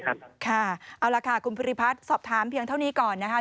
เอาล่ะค่ะคุณภูริพัฒน์สอบถามเพียงเท่านี้ก่อนนะคะ